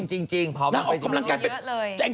ก็ผอมจริงผอมมากไปจนกว่าเยอะเลย